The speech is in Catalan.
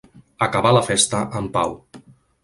Acabar la festa en pau.